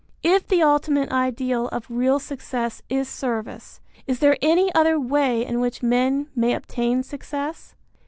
If the ultimate ideal of real success is service, is there any other way in which men may obtain success?